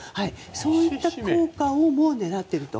そういった効果をも狙っていると。